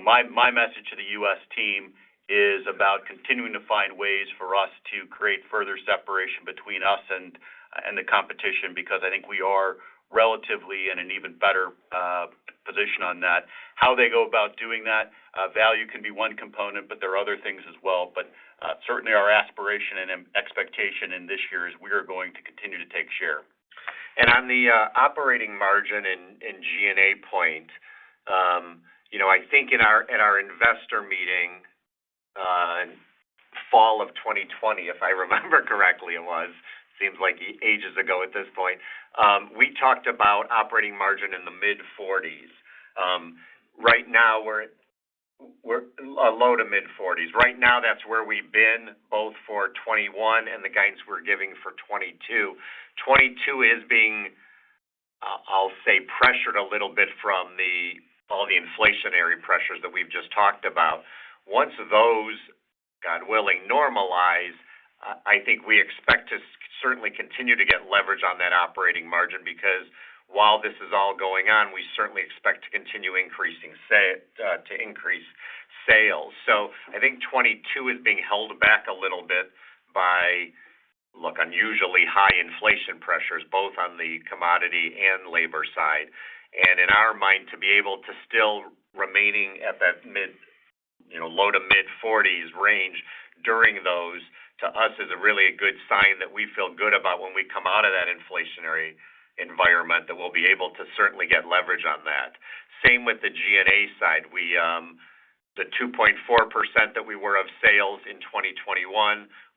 My message to the U.S. team is about continuing to find ways for us to create further separation between us and the competition, because I think we are relatively in an even better position on that. How they go about doing that, value can be one component, but there are other things as well. Certainly our aspiration and expectation in this year is we are going to continue to take share. On the operating margin in G&A point, I think in our investor meeting in fall of 2020, if I remember correctly, it seems like ages ago at this point, we talked about operating margin in the mid-40s%. Right now we're at low to mid-40s%. Right now that's where we've been both for 2021 and the guidance we're giving for 2022. 2022 is being, I'll say, pressured a little bit from all the inflationary pressures that we've just talked about. Once those, God willing, normalize, I think we expect to certainly continue to get leverage on that operating margin because while this is all going on, we certainly expect to continue to increase sales. I think 2022 is being held back a little bit by, look, unusually high inflation pressures, both on the commodity and labor side. In our mind, to be able to still remaining at that mid, you know, low- to mid-40s% range during those, to us is really good sign that we feel good about when we come out of that inflationary environment, that we'll be able to certainly get leverage on that. Same with the G&A side. We, the 2.4% that we were of sales in 2021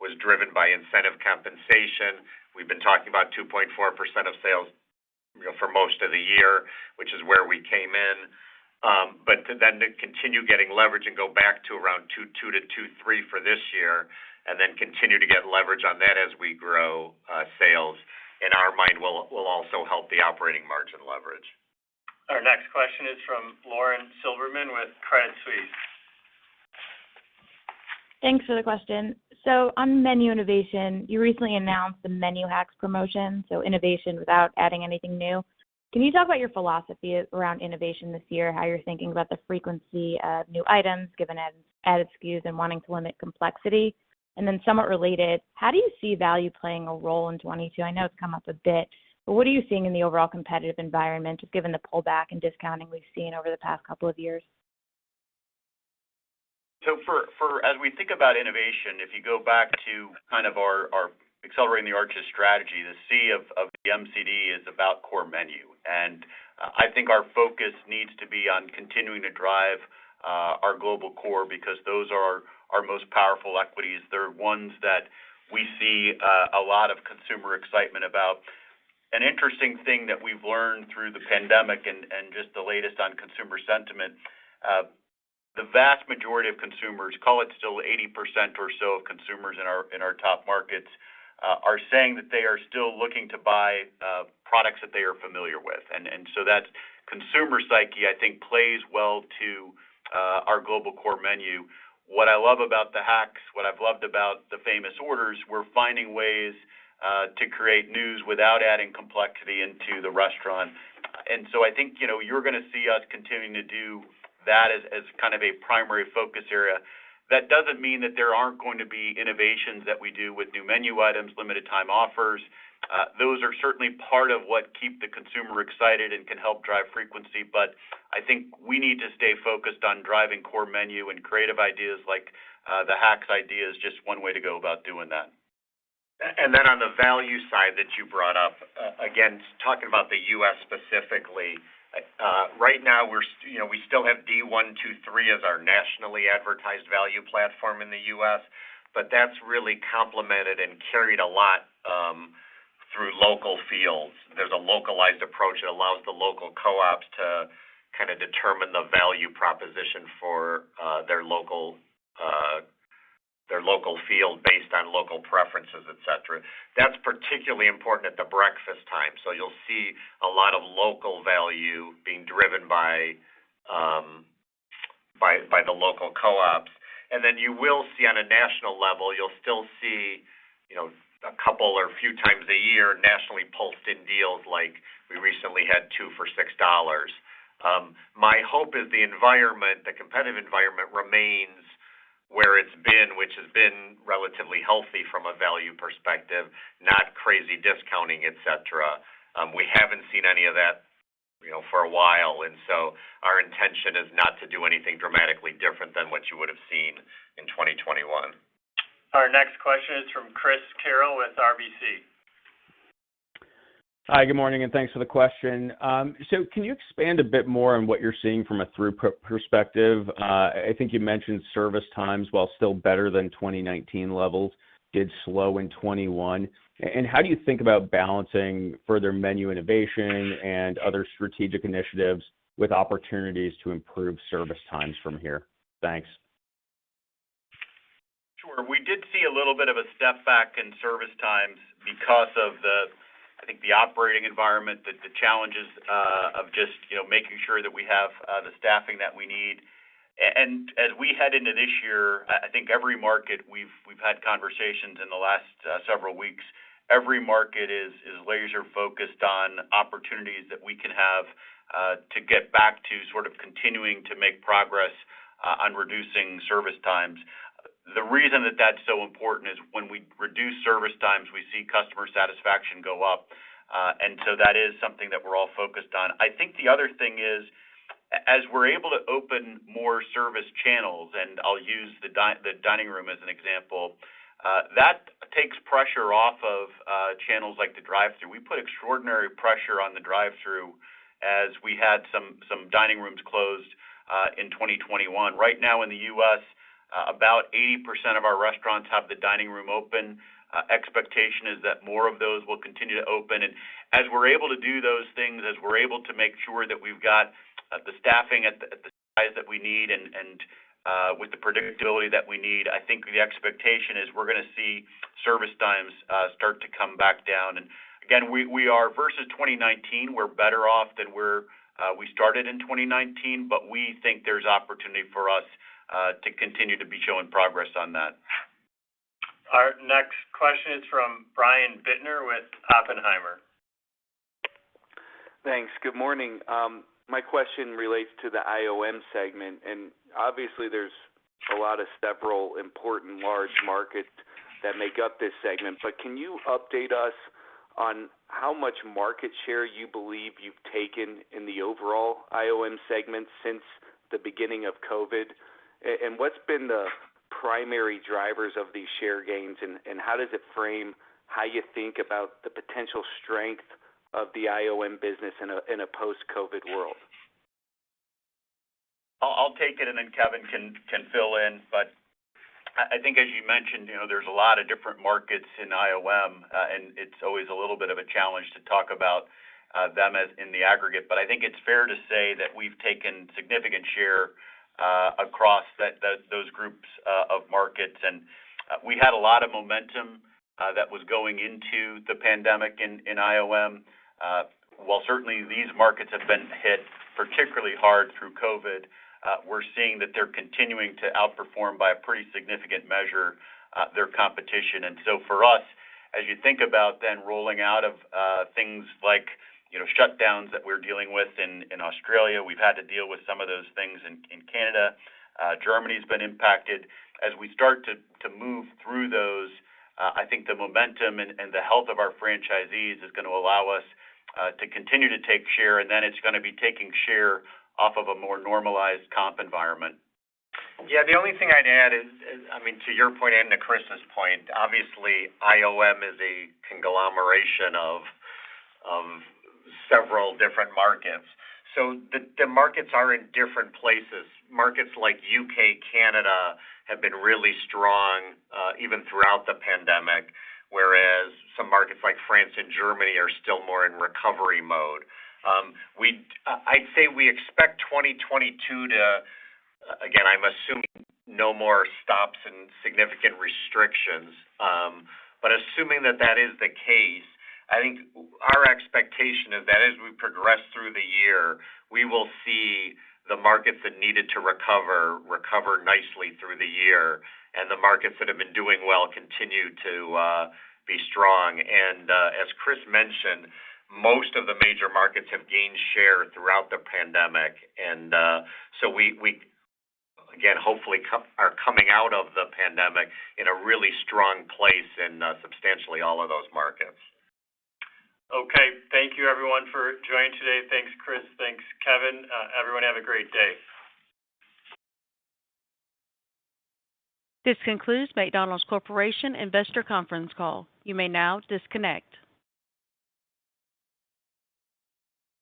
was driven by incentive compensation. We've been talking about 2.4% of sales, you know, for most of the year, which is where we came in. But then to continue getting leverage and go back to around 2%-2.3% for this year and then continue to get leverage on that as we grow sales in our mind will also help the operating margin leverage. Our next question is from Lauren Silberman with Credit Suisse. Thanks for the question. On menu innovation, you recently announced the Menu Hacks promotion, so innovation without adding anything new. Can you talk about your philosophy around innovation this year, how you're thinking about the frequency of new items given added SKUs and wanting to limit complexity? Somewhat related, how do you see value playing a role in 2022? I know it's come up a bit, but what are you seeing in the overall competitive environment, just given the pullback and discounting we've seen over the past couple of years? As we think about innovation, if you go back to kind of our Accelerating the Arches strategy, the C of the MCD is about core menu. I think our focus needs to be on continuing to drive our global core because those are our most powerful equities. They're ones that we see a lot of consumer excitement about. An interesting thing that we've learned through the pandemic and just the latest on consumer sentiment, the vast majority of consumers, call it still 80% or so of consumers in our top markets, are saying that they are still looking to buy products that they are familiar with. That consumer psyche, I think, plays well to our global core menu. What I love about the hacks, what I've loved about the famous orders, we're finding ways to create news without adding complexity into the restaurant. I think, you know, you're gonna see us continuing to do that as kind of a primary focus area. That doesn't mean that there aren't going to be innovations that we do with new menu items, limited time offers. Those are certainly part of what keep the consumer excited and can help drive frequency. I think we need to stay focused on driving core menu and creative ideas like the hacks idea is just one way to go about doing that. Then on the value side that you brought up, again, talking about the U.S. specifically. Right now, we're you know, we still have $1 $2 $3 as our nationally advertised value platform in the U.S., but that's really complemented and carried a lot through local fields. There's a localized approach that allows the local co-ops to kinda determine the value proposition for their local field based on local preferences, et cetera. That's particularly important at the breakfast time. You'll see a lot of local value being driven by the local co-ops. You will see on a national level, you'll still see, you know, a couple or a few times a year, nationally pulsed in deals like we recently had two for $6. My hope is the environment, the competitive environment remains Where it's been, which has been relatively healthy from a value perspective, not crazy discounting, et cetera. We haven't seen any of that, you know, for a while, and so our intention is not to do anything dramatically different than what you would have seen in 2021. Our next question is from Chris Carril with RBC. Hi, good morning, and thanks for the question. Can you expand a bit more on what you're seeing from a throughput perspective? I think you mentioned service times, while still better than 2019 levels, did slow in 2021. How do you think about balancing further menu innovation and other strategic initiatives with opportunities to improve service times from here? Thanks. Sure. We did see a little bit of a step back in service times because of, I think, the operating environment, the challenges of just, you know, making sure that we have the staffing that we need. And as we head into this year, I think every market we've had conversations in the last several weeks, every market is laser focused on opportunities that we can have to get back to sort of continuing to make progress on reducing service times. The reason that that's so important is when we reduce service times, we see customer satisfaction go up. That is something that we're all focused on. I think the other thing is as we're able to open more service channels, and I'll use the dining room as an example, that takes pressure off of channels like the drive-thru. We put extraordinary pressure on the drive-thru as we had some dining rooms closed in 2021. Right now in the U.S., about 80% of our restaurants have the dining room open. Expectation is that more of those will continue to open. As we're able to do those things, as we're able to make sure that we've got the staffing at the size that we need and with the predictability that we need, I think the expectation is we're gonna see service times start to come back down. We are versus 2019. We're better off than we started in 2019, but we think there's opportunity for us to continue to be showing progress on that. Our next question is from Brian Bittner with Oppenheimer. Thanks. Good morning. My question relates to the IOM segment, and obviously there's a lot of several important large markets that make up this segment, but can you update us on how much market share you believe you've taken in the overall IOM segment since the beginning of COVID? What's been the primary drivers of these share gains and how does it frame how you think about the potential strength of the IOM business in a post-COVID world? I'll take it, and then Kevin can fill in. I think as you mentioned, you know, there's a lot of different markets in IOM, and it's always a little bit of a challenge to talk about them as in the aggregate. I think it's fair to say that we've taken significant share across those groups of markets. We had a lot of momentum that was going into the pandemic in IOM. While certainly these markets have been hit particularly hard through COVID, we're seeing that they're continuing to outperform by a pretty significant measure their competition. For us, as you think about then rolling out of things like, you know, shutdowns that we're dealing with in Australia, we've had to deal with some of those things in Canada, Germany's been impacted. As we start to move through those, I think the momentum and the health of our franchisees is gonna allow us to continue to take share, and then it's gonna be taking share off of a more normalized comp environment. Yeah, the only thing I'd add is, I mean, to your point and to Chris's point, obviously IOM is a conglomeration of several different markets. So the markets are in different places. Markets like U.K., Canada have been really strong, even throughout the pandemic, whereas some markets like France and Germany are still more in recovery mode. I'd say we expect 2022 to, again, I'm assuming no more stops and significant restrictions. But assuming that that is the case, I think our expectation is that as we progress through the year, we will see the markets that needed to recover nicely through the year, and the markets that have been doing well continue to be strong. As Chris mentioned, most of the major markets have gained share throughout the pandemic. We again, hopefully, are coming out of the pandemic in a really strong place in substantially all of those markets. Okay. Thank you everyone for joining today. Thanks, Chris. Thanks, Kevin. Everyone, have a great day. This concludes McDonald's Corporation investor conference call. You may now disconnect.